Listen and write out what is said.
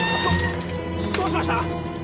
どうしました？